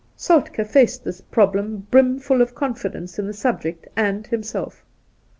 Soltk6 faced this problem brimful of confidence in the subject and himself.